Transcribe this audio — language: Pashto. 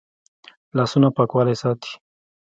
لاسونه پاکوالی ساتي